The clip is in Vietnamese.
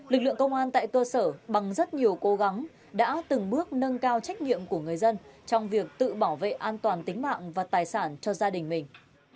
lực lượng công an tại cơ sở bằng rất nhiều cố gắng đã từng bước nâng cao trách nhiệm của người dân trong việc tự bảo vệ an toàn tính mạng và tài sản cho gia đình mình